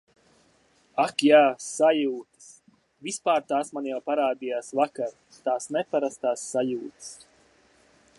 Ak jā, sajūtas!!! Vispār tās man jau parādījās vakar, tās neparastās sajūtas.